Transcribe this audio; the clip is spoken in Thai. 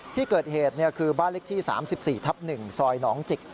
ที่เกิดเหตุคือบ้านเล็กที่๓๔ทับ๑ซอยหนองจิก